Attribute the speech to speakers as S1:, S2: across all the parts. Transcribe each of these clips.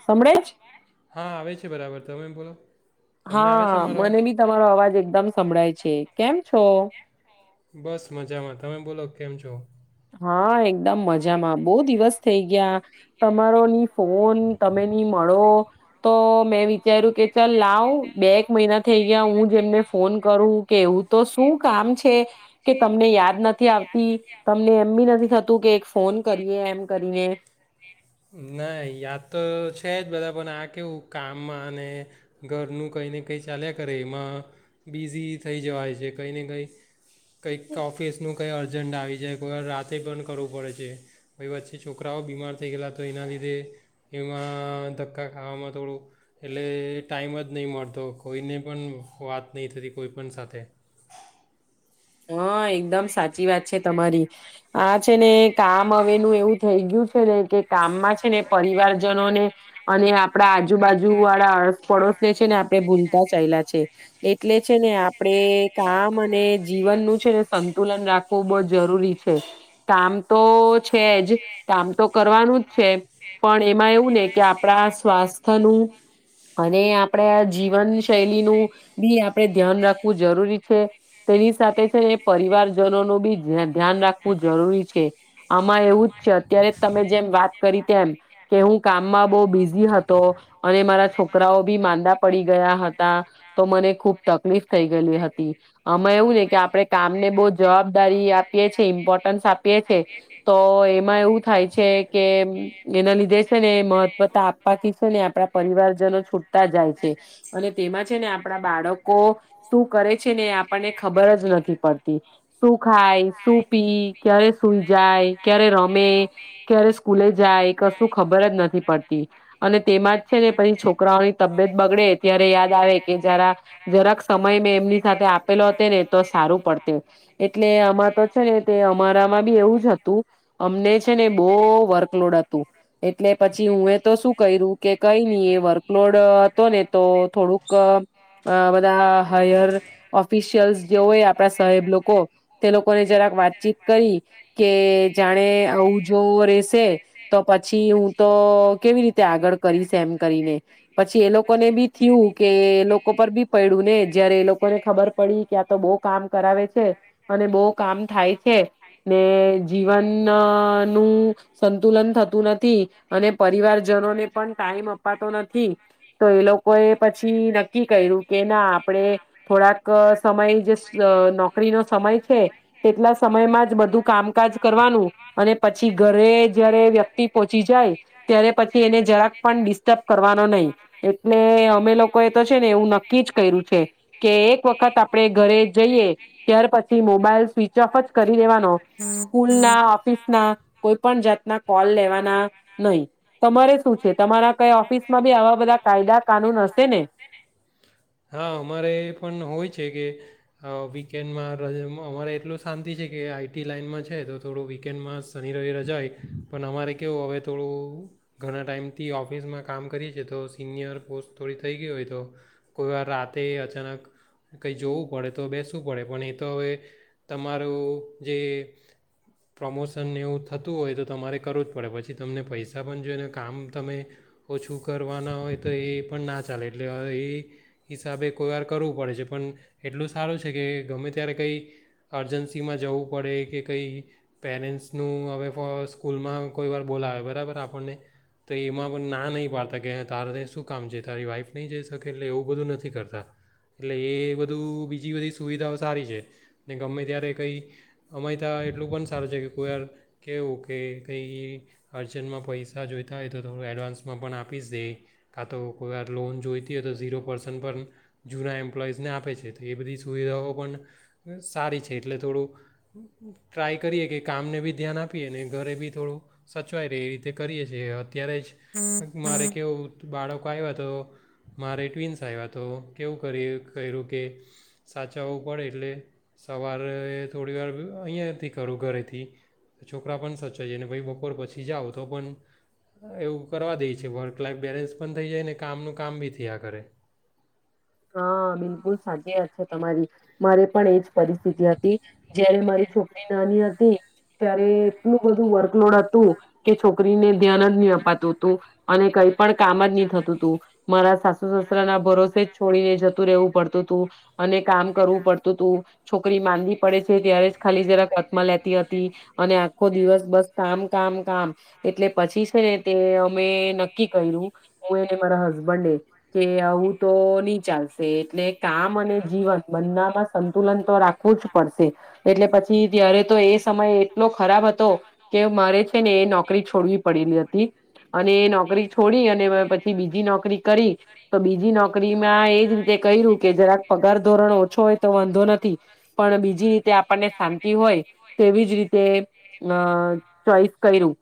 S1: સંભળાય છે?
S2: હા આવે છે બરાબર, તમે એમ બોલો? તમને આવે
S1: હા
S2: છે મારો
S1: મને
S2: અવાજ
S1: બી તમારો અવાજ એકદમ સંભળાય છે,. કેમ છો?
S2: બસ મજામાં, તમે બોલો કેમ છો?
S1: હા એકદમ મજામાં, બહુ દિવસ થઈ ગયા, તમારો ની ફોન તમે ની મળો તો મેં વિચાર્યું કે ચાલ લાવ બે એક મહિના થઈ ગયા હું જેમને ફોન કરું કે એવું તો શું કામ છે, કે તમને યાદ નથી આવતી. લે એમ બી નથી થતું કે એક ફોન કરીએ એમ કરીએ.
S2: લે બધા પણ આ કેવું કામમાં અને ઘરનું કંઈ ને કંઈ ચાલ્યા કરે એમાં બિઝી થઈ જવાય છે કંઈ ને કંઈ કઈક ઓફિસનું કઈ અર જંડ આવી જાય કોઈ વાર રાતે પણ કરવું પડે છે. હવે વચ્ચે છોકરાઓ બીમાર થઈ ગયેલા તો એના લીધે એમાં ધક્કા ખાવામાં થોડું એટલે એ ટાઈમ જ નહીં મળતો કોઈને પણ વાત નહીં થતી કોઈ પણ સાથે.
S1: હા, એકદમ સાચી વાત છે તમારી. આ છે ને કામ હવેનું એવું થઈ ગયું છે ને કે કામમાં છે ને પરિવારજનો ને અને આપડા આ જુબાજુ વાળા આસ પડોશ ને છે ને આપડે બુન તા ચાએલા છે. એટલે છે ને આપ પડે કામ અને નું છે ને સંતુલન રાખવું બોહ જરૂરી છે. કામ તો છે જ કામ તો કરવાનું છે, પણ એમાં એવું ને કે આપણા સ્વાસ્થ્યનું અને આપણે જીવન શૈલીનું બી આપડે ધ્યાન રાખવું જરૂરી છે. તેની સાથે છે એ પરિવારજનોનું બી ધ-ધ્યાન રાખવું જરૂરી છે. આમાં એવું જ છે અત્યારે તમે જેમ વાત કરી ત્યાં હમ્મ કે હું કામમાં બહુ બિઝી હતો અને મારા છોકરાઓ બી માંદા પડી ગયા હતા તો મને ખુબ તકલીફ થઈ ગયેલી હતી. મેં એવું કે આપણે કામને બહ જવાબદારી આપીએ છીએ ઇમ્પોર્ટન્સ આપીએ છે તો એમાં એવું થાય છે કે જે સે ને એ મહત્વતા આપવાથી છે ને પરિવાર જનો છૂટતા જાય છે. અને તેમાં છે ને આપડા બાળકો શું કરે છે ને આપ ને ખબર જ નથી પડતી, શું ખાય? શું પી? ક્યારે સુઈ જાય? ક્યારે રમે? ક્યારે સ્કૂલે જાય? શું ખબર જ નથી પડતી અને તેમાં જ છે ને પહી છોકરાઓની તબિયત બગડે ત્યારે યાદ આવે કે જરા જરાક સમય મેં એમની સાથે આ પેલો હોતે ને તો સારું પડતે એટલે આમાં તો છે ને તે અમારામાં બી એવું જ હતું અમને છે ને બઊ વર્કલોડ અતું તુ એટલે પછી ઉમેં તો શું કયરુ કે કઈ ની એ વર્કલોડ અતો ને તો થોડુંક અ બધા હાયર ઓફિશયલ્સ જે હોય આપણા સાહેબ લોકો તે લોકોએ જરાક વાતચીત કરી કે જાણે આવું જો રેશે તો પછી હું તો કેવી રીતે આગળ કરીશ એમ કરીને પછી એ લોકોને બી થ્યું કે એ લોકો પર બી પયડુ ને જયારે એ લોકોને ખબર પડી કે આ તો બો કામ કરાવે છે અને બો કામ થાય છે ને જીવનનું સંતુલન થ નથી અને પરિવારજનોને પણ ટાઈમ અપાતો નથી તો એ લોકોએ પછી નક્કી કયરુ કે ના આપડે થોડાક સમય જે સ નોકરીનો સમય છે તેટલા સમયમાં જ બધું કામકાજ કરવાનું અને પછી ઘરે જયારે વ્યક્તિ પોંચી જાય ત્યારે પછી એને જરાક પણ ડિસ્ટર્બ કરવાનો નઈ એટલે અમે લોકોએ તો છે ને એવું નક્કી જ કયરુ છે. કે એક વખત આપડે ઘરે જઈએ ત્યાર પછી મોબાઈલ સ્વિચ ઓફ જ કરી દેવાનો, સ્કૂલના ઓફિસના કોઈ પણ જાતના કોલ લેવાના નઈ, તમારે શું છે તમારા કઈ ઓફિસમાં બી આવા બધા કાયદા કાનૂન હશે ને?
S2: પન હોય છે કે અ વીકેન્ડમાં ર અમ અમારે એટલો શાંતિ છે કે આઈ ટી લાઈનમાં છે તો થોડું વીકેન્ડમાં શનિ રવિ રજા ઓય પણ અમારે કેવું હવે થોડું ઘણા ટાઈમથી ઓફિસમાં કામ કરીએ છીએ તો સિનિયર પોસ્ટ થોડી થઈ ગઈ હોય તો, કોઈ વાર રાતે અચાનક, કંઈ જોવું પડે તો બેસવું પડે પણ એ તો હવે, તમારું જે પ્રમોશન એવું થતું હોય તો તમારે કરવું જ પડે પછી તમને પૈસા પણ જોઈને કામ તમે, ઓછું કરવાના હોય તો એ પણ ના ચાલે એટલે એ, હિસાબે કોઈ વાર કરવું પડે છે પણ, એટલું સારું છે કે ગમે ત્યારે કંઈ, અર્જન્સીમાં જવું પડે કે કંઈ પેરેન્ટ્સનું હવે પાસ [unintelligible] સ્કૂલમાં કોઈ વાર બોલાવે બરાબર આપણને, તો એમાં પણ ના નહીં પાડતા કે તારે શું કામ છે તારી વાઈફ નહીં જઈ શકે એટલે એવું બધું નથી કરતા, એટલે એ બધું બીજી બધી સુવિધાઓ સારી છે, ને ગમે ત્યારે કંઈ, અમે ત્યાં એટલું પણ સારું છે કે કોઈ વાર કેહેવું કે કે કંઈ, અર્જન્ટમાં પૈસા જોઈતા હોય તો થોડું એડવાન્સમાં પણ આપી જ દે, કાં તો કોઈ વાર લોન જોઈતી હોય તો ઝીરો પણ જૂના એમ્પ્લોઈઝને આપે છે તો એ બધી સુવિધાઓ પણ સારી છે એટલે થોડું ટ્રાય કરીએ કે કામને બી ધ્યાન આપીએ અને ઘરે બી થોડું સચવાય રહે એ રીતે કરીએ છીએ અત્યારે જ, મારે કેવું બાળકો આવ્યા તો, મારે ટ્વન્સ આવ્યા તો કેવું કરી કર્યું કે, સાચવવું પડે એટલે સવારે થોડી વાર અહીંયાથી કરું ઘરેથી. તો છોકરા પણ ભાઈ બપોર પછી જાઓ તો પણ. એવું કરવા દે છે વર્ક લાઈફ બેલેન્સ પણ થઈ જાય ને કામનું કામ બી થયા કરે.
S1: હા બિલકુલ સાચી વાત છે તમારી, મારે પણ એજ પરિસ્થિતિ હતી, જયારે મારી છોકરી નાની હતી, ત્યારે એટલું બધું વર્કલોડ હતું, કે છોકરીને ધ્યાન જ નહી અપાતું તું, અને કઈ પણ કામ જ નહી થતું તું, મારા સાસુ સસરા ના ભરોસે છોડીને જતું રહેવું પડતું હતું, અને કામ કરવું પડતું હતું, છોકરી માંદી પડે છે ત્યારે ખાલી જરા કતમાં લેતી હતી, અને આખો દિવસ બસ કામ કામ કામ, એટલે પછી છે ને તે અમે નક્કી કર્યું, હું મારા હસબન્ડે કે આવું તો ચાલશે એટલે કામ અને જીવન બમાં સંતુલન તો રાખવું જ પડશે, એટલે પછી ત્યારે તો એ સમય એટલો ખરાબ હતો. કે મારે છે ને એ નોકરી છોડવી પડેલી હતી, અને એ નોકરી છોડી અને પછી બીજી નોકરી કરી તો બીજી નોકરી એજ રીતે ક કે જ પગાર ધોરણ ઓછો હોય તો વાંધો નથી પણ બીજી રીતે આપણને શાંતિ હોય તેવી જ રીતે ચોસ કર્યું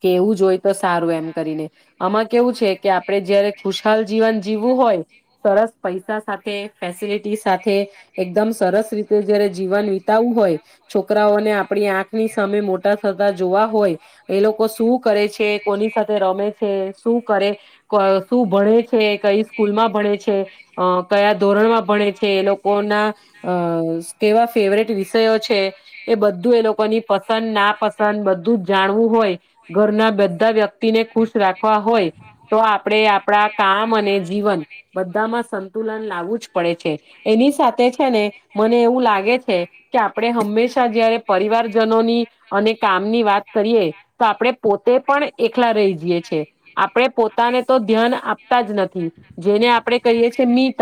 S1: કે એવું જો હોય તો સારું એમ કરીને આમાં કેવું છે કે આપડે જયારે ખુશહાલ જીવન જીવવું હોય સરસ પૈસા સાથે ફેસિલિટી સાથે એકદમ સરસ રીતે જયારે જીવન વિતાવું હોય છોકરાઓને આપણી આંખની સામે મોટા થતા જો હોય એ લોકો શું કરે છે કોની સાથે રમે છે શું કરે શું ભણે છે કઈ સ્કૂલમાં કયા ધોરણમાં ભણે છે એ લોકો ના અ કેવા ફેવરેટ વિષયો છે એ બધું એ લોકોની પસંદ ના પસંદ જાણવું હોય ઘરના બધા વ્યક્તિને ખુશ રાખવા હોય તો આપણે આપણા કામ અને જીવન બધામાં સંતુલન લાવું જ પડે છે એની સાથે છે ને મને એવું લાગે છે કે આપણે હંમેશા જયારે પરિવારજનોની અને કામ વાત કરીએ તો આપણે પોતે પણ એકલા રહી જઈએ છ છે આપણે પોતાને તો ધ્યાન આપતા જ નથી જેને મી ટ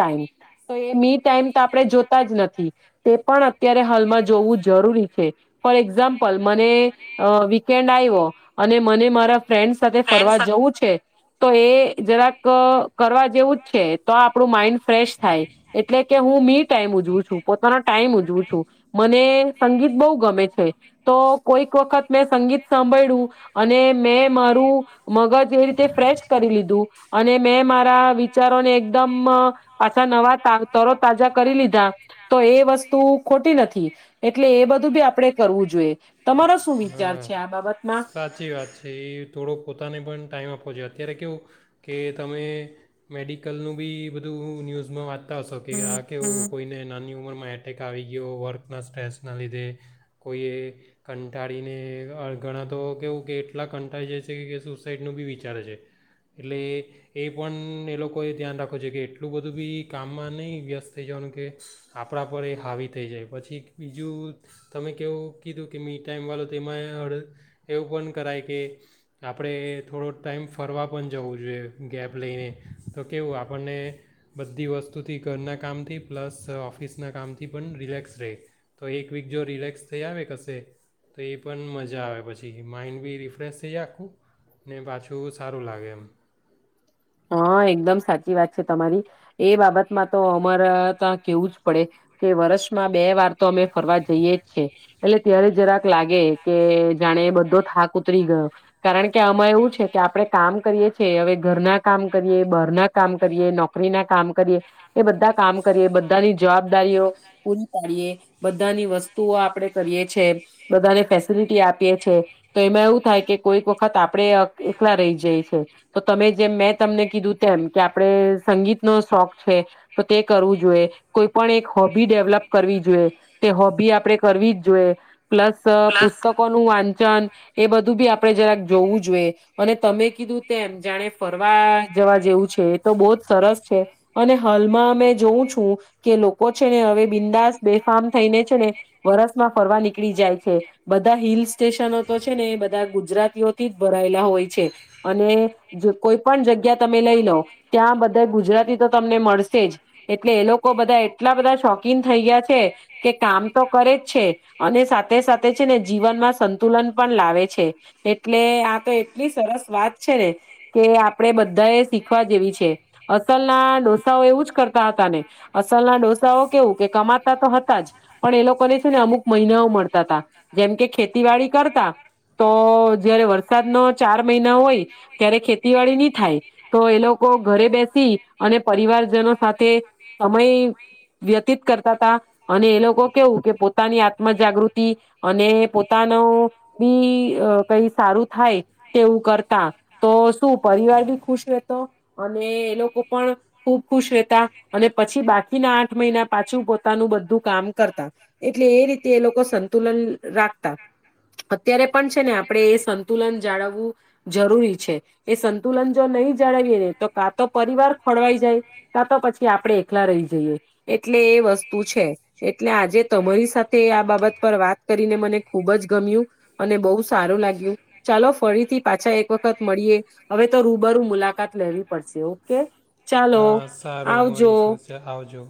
S1: તો મી ટાઈમ આપણે જોતા જ નથી તે પણ અત્યારે હાલમાં જોવું જરૂરી છે ફોર એક્ઝામ્પલ મને અ વીકેન્ડ આવ્યો અને મને મારા ફ્રેન્ડ સાથે ફરવા જવું છે તો એ જરાક કરવા જેવું છે તો આપણું માઈન્ડ ફ્રેશ થાય એટલે કે હું મી ટાઈમ ઉજવું છું પોતાનો ટાઈમ ઉજવું છું મને સંગીત બહુ ગમે છે તો કોઈક વખત મે સંગીત સાંભળ્યું અને મેં મારું મગજ જે રીતે ફ્રેશ કરી લીધું અને મે મારા વિચારોને એકદમ પાછા નવા તરો
S2: હા
S1: તાજા કરી લીધા તો એ વસ્તુ ખોટી નથી એટલે એ બધું બી આપણે કરવું જોઈએ તમાર
S2: હા સાચી વાત છે એ થોડો પોતાને પણ ટાઈમ આપો જો અત્યારે કેવું કે તમે મેડિકલનું બી બધું ન્યૂઝમાં વાંચતા હશો કે આ કેવું કોઈને નાની ઉંમરમાં એટેક આવી ગયો વર્કના સ્ટ્રેસના લીધે કોઈએ કં કટાળીને ઘણાં તો કેવું કે એટલા કંટાાઈ જ છે કે સુસાઈડનું બી વિચારે છે એટલે એ પણ એ લોકોએ ધ્યાન રાખો છે કે એટલું બધું બી કામમાં નહીં વ્યસ્ત થઈ જવાનું કે આપણા પર એ હાવી થઈ જાય પછી બીજું તમે કેવું કીધું કે મી ટાઈમવાલો તેમાં હ એવું પણ કરાય કે આપણે થોડો ટાઈમ ફરવા પણ જવું જોઈએ ગેપ લઈને તો કેવું આપણને બધી વસ્તુથી ઘરના કામથી પ્લસ ઓફિસના કામથી પણ રિલેક્સ રહે તો એક વીક જો રિલેક્સ થઈ આવે કશે તો એ પણ મજા આવે પછી જેી માઇન્ડ બ રિફ્રેેશ થઈ જ આખું ને પાછું સારું લાગે એમ
S1: હા એકદમ સાચી વાત છે તમારી એ બાબતમાં તો અમારા ત્યા કેવું જ પડે કે વર્ષમાં બે વાર તો અમે ફરવા જઈએ જ છે એટલે ત્યારે જરાક લાગે કે જાણે બધો થાક ઉતરી ગયો કારણ કે કે આમાં એવું છે કે આપડણે કામ કરીએ છીએ હવે ઘરના કામ કરીએ બહાર ના કામ કરીએ નોકરી ના કામ એ બધા કામ કરીએ બધાની જવાબદારીઓ પૂરી પાડીએ બધાની વસ્તુઓ આપડે કરીએ છે બધાને ફેસિલટી આપીએ છે તો એમાં એવું થાય કે કોઈ વખત આપણે એકલા રહી જાય છે તો તમે જેમ મેં તમને કીધું તેમ કે આપણે સંગીતનોો શોખ છે તો તે કરવું જોઈએ કોઈ પણ એક હોબી ડેવલપ કરવી જોઈએ તે હોબી આપણેે કરવી જ જોઈએ પ્લસ પુસ્તકોનુંું વાંચન એ બધું બી આપડણે જરા જોવું જોઈએ અને તમે કીધું તેમ જાણે ફરવા જવા જેવું છે એ તો બહુ જ સરસ છે અને હ એ અ જોઉં છું કે લોકો છે ને હવે બિંદાસ બેફામ થઈને છે ને વરસમાં ફરવા નીકળી જાય છે બધા હિલ સ્ટેશનો તો છે ને બધા ગુજરાતીઓ થી ભરાયેલા હોય છે અને કોઈ પણ જગ્યા તમે લઈ લો ત્યાં બધા ગુજરાતી તો તમને મળશે જ, એટલે એ લોકો બધા એટલા બધા શોકીન થઈ ગયા છે, કે કામ તો કરે જ છે અને સાથે સાથે છે ને જીવનમાં સંતુલન પણ લાવે છે. આ તો એટલી સરસ વાત છે ને, કે આપડે બધા એ શીખવા જેવી છે, અસલ ના ડોસાઓ એવું જ કરતા હતા ને, અસલ ના ડોસાઓ કેવું કે કમાતા તો હતા જ, પણ એ લોકોને છે ને અમુક મહિનાઓ મળતા હતા, જેમ કે ખેતીવાડી કરતા તો જયારે વરસાદનો ચાર મહિના હોય ત્યારે ખેતીવાડી નહી થાય તો એ લોકો ઘરે બેસી અને પ પરિવારજનો સાથે સમય વ્યતીત કરતા હતા અને એ લોકો કેવું કે પોતાની આત્મ જાગૃતિ અને પોતાનો ભી કઈ સારું થાય તેવું કરતા તો શું પરિવાર ભી ખુશ રહેતો અને એ લોકો પણ ખુબ ખુશ રહેતા અને પછી બાકીના આઠ મહિના પાછું પોતાનું બધું કામ કરતા એટલે એ રીતે એ લોકો સંતુલન રાખતા. અત્યારે પણ છે ને આપણે એ સંતુલન જાળવું જરૂરી છે એ સંતુલન જો નહી જળવાવીએ ને તો કા તો પરિવાર ખોળવાઈ જાય કાં તો પછી આપડણે એકલા રહી જઈએ એટલે એ વસ્તુ છે એટલે આજે તમારી સાથે આ બાબત પર વાત કરીને મને ખુબ જ ગમ્યું અને બહુ સારું લાગ્યું. ચાલો ફરીથી પાછા એક વખત મળીએે હવે તો રૂબરૂ મુલાકાત લેવી પડશે, ઓકે. ચા
S2: હા, સારું મળીશું [unintelligible] આવજો.